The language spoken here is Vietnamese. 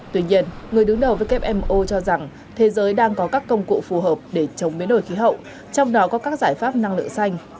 tuy nhiên người đứng đầu wmo cho rằng thế giới đang có các công cụ phù hợp để chống biến đổi khí hậu trong đó có các giải pháp năng lượng xanh